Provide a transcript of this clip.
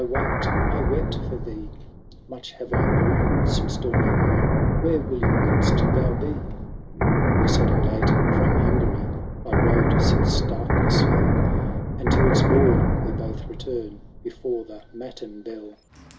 — 1 waked, I wept for thee :— Much have I borne since dawn of morn ; Where, William, couldst thou be ?" XXIX " We saddle late — from Hungary I rode since darkness fell ; And to its bourne we both return Before the matin bell."